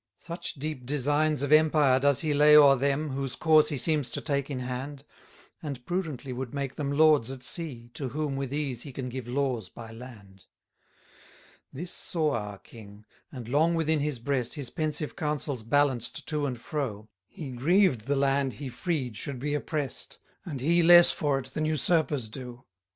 9 Such deep designs of empire does he lay O'er them, whose cause he seems to take in hand; And prudently would make them lords at sea, To whom with ease he can give laws by land. 10 This saw our King; and long within his breast His pensive counsels balanced to and fro: He grieved the land he freed should be oppress'd, And he less for it than usurpers do.